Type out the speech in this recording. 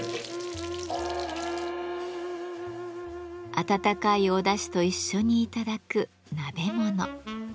温かいおだしと一緒にいただく鍋物。